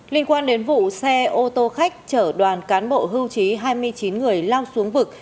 liên quan đến vụ xe ô tô khách chở đoàn cán bộ hưu trí hai mươi chín người lao xuống vực